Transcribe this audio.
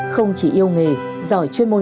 không chỉ yêu nghề giỏi chuyên môn